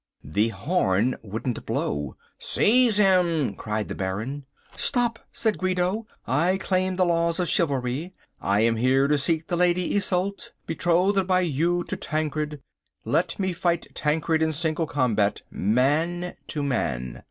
The horn wouldn't blow! "Seize him!" cried the Baron. "Stop," said Guido, "I claim the laws of chivalry. I am here to seek the Lady Isolde, betrothed by you to Tancred. Let me fight Tancred in single combat, man to man."